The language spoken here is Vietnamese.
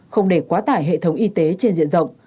không để quá tải hệ thống y tế trên diện rộng